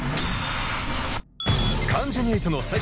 関ジャニ∞の最新曲。